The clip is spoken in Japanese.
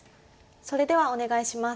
それではお願いします。